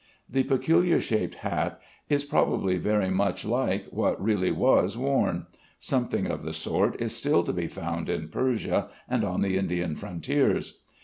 The peculiar shaped hat is probably very much like what really was worn. Something of the sort is still to be found in Persia and on the Indian frontiers.